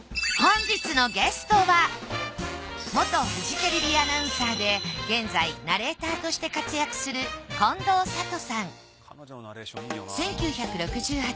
元フジテレビアナウンサーで現在ナレーターとして活躍する近藤サトさん